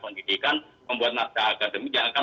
pendidikan membuat naskah akademik yang akan